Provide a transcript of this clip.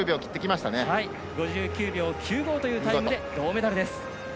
５９秒９５というタイムで銅メダルです。